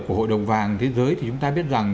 của hội đồng vàng thế giới thì chúng ta biết rằng